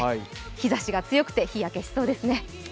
日差しが強くて日焼けしそうですね。